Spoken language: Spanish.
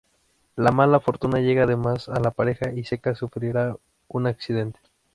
La mala fortuna llega además a la pareja y Zeca sufrirá un accidente.